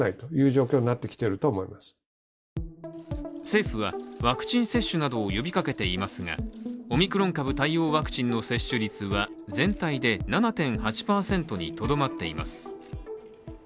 政府はワクチン接種などを呼びかけていますがオミクロン株対応ワクチンの接種率は全体で７．８％にとどまっています。